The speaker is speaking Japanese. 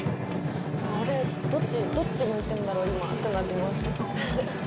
これ、どっちどっち向いてるんだろう、今ってなってます。